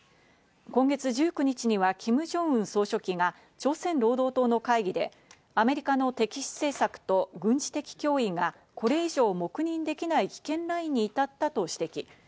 今月１９日にはキム・ジョンウン総書記が朝鮮労働党の会議でアメリカの敵視政策と軍事的脅威がこれ以上黙認できない危険ラインに至ったと指摘。